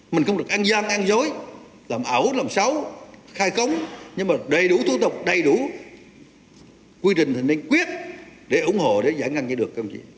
mình không được ăn giang ăn dối làm ảo làm xấu khai cống nhưng mà đầy đủ thủ tục đầy đủ quy trình thì nên quyết để ủng hộ để giải ngăn như được